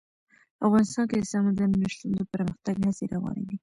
افغانستان کې د سمندر نه شتون د پرمختګ هڅې روانې دي.